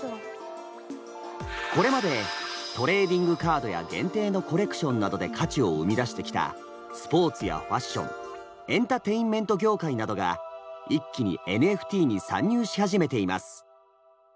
これまでトレーディングカードや限定のコレクションなどで価値を生み出してきたスポーツやファッションエンターテインメント業界などが一気にＮＦＴに参入し始めています。